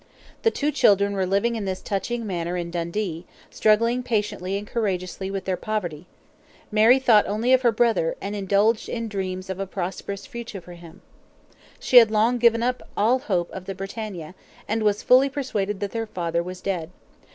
The two children were living in this touching manner in Dundee, struggling patiently and courageously with their poverty. Mary thought only of her brother, and indulged in dreams of a prosperous future for him. She had long given up all hope of the BRITANNIA, and was fully persuaded that her father was dead.